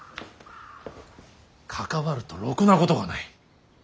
関わるとろくなことがない。